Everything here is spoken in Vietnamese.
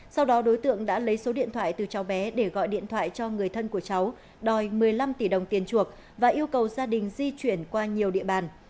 sau đó đối tượng đã lấy số điện thoại từ cháu bé để gọi điện thoại cho người thân của cháu đòi một mươi năm tỷ đồng tiền chuộc và yêu cầu gia đình di chuyển qua nhiều địa bàn